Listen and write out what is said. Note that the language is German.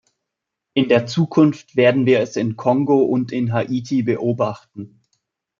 In der Zukunft werden wir es in Kongo und in Haiti beobachten.